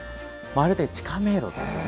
まるで地下迷路。